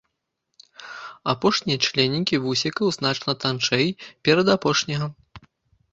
Апошнія членікі вусікаў значна танчэй перадапошняга.